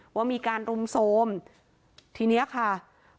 เรื่องของการรุมโทรม๑๔คนในปันก็ยืนยันว่าผมจะไปเรียกชาย๑๔คนได้ยังไง